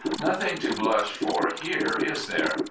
Nothing to blush for here, is there?